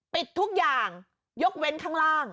ปิดทุกอย่างยกเว้นข้างล่าง